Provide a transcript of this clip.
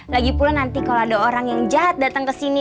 lagi pula nanti kalau ada orang yang jahat datang ke sini